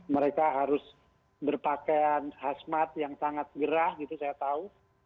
mereka harus berpakaian hasmat yang sangat gerah gitu saya tahu